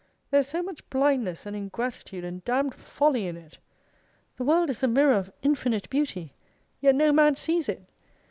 There is so much blindness and ingratitude and damned folly in it. The world is a mirror of infinite beauty, yet no man sees it.